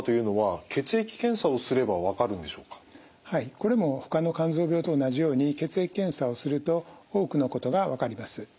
これもほかの肝臓病と同じように血液検査をすると多くのことが分かります。